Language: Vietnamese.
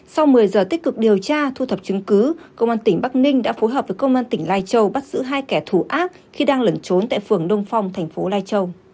sau một mươi giờ tích cực điều tra thu thập chứng cứ công an tỉnh bắc ninh đã phối hợp với công an tỉnh lai châu bắt giữ hai kẻ thù ác khi đang lẩn trốn tại phường đông phong thành phố lai châu